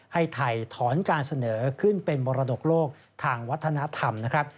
ให้ไทยถอนการเสนอขึ้นเป็นมรดกโลกทางวัฒนธรรมนะครับ